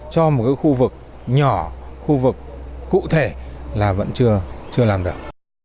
cho một khu vực nhỏ khu vực cụ thể là vẫn chưa làm được